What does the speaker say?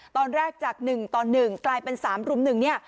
ตอนแรกจาก๑ตอน๑กลายเป็น๓รุ่ม๑